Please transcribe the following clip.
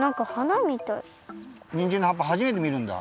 にんじんのはっぱはじめてみるんだ？